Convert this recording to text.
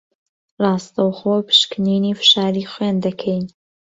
راستهوخۆ پشکنینی فشاری خوێن دهکهین